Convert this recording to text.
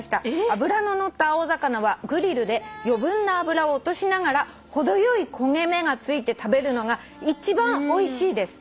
脂の乗った青魚はグリルで余分な脂を落としながら程よい焦げ目がついて食べるのが一番おいしいです」